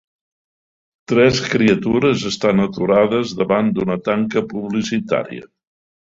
Tres criatures estan aturades davant d'una tanca publicitària.